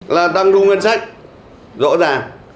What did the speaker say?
là tăng thu ngân sách rõ ràng